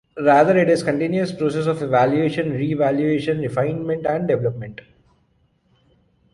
Rather it is a continuous process of evaluation, reevaluation, refinement, and development.